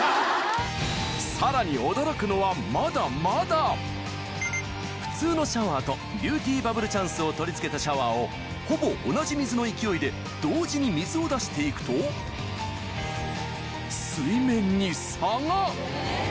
さらに普通のシャワーとビューティーバブルチャンスを取り付けたシャワーをほぼ同じ水の勢いで同時に水を出して行くと水面に差が！